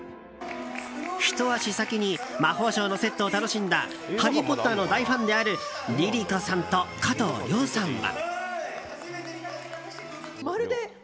ひと足先に魔法省のセットを楽しんだ「ハリー・ポッター」の大ファンであるＬｉＬｉＣｏさんと加藤諒さんは。